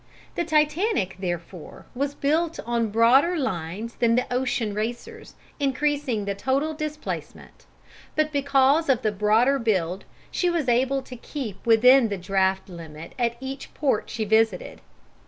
The Titanic, therefore, was built on broader lines than the ocean racers, increasing the total displacement; but because of the broader build, she was able to keep within the draught limit at each port she visited.